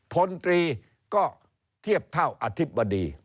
พลตรีก็เทียบเท่าอธิบดี